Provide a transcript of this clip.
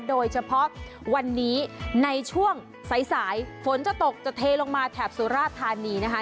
โดยเฉพาะวันนี้ในช่วงสายสายฝนจะตกจะเทลงมาแถบสุราธานีนะคะ